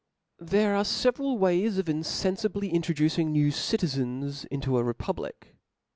There are feveral ways of infenfibly introducing /new citizens into a republic.